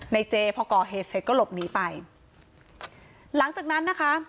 เจพอก่อเหตุเสร็จก็หลบหนีไปหลังจากนั้นนะคะ